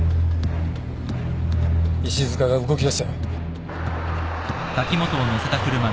石塚が動きだしたよ。